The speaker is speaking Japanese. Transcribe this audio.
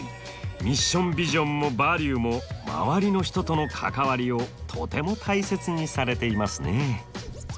ミッションビジョンもバリューも周りの人との関わりをとても大切にされていますね。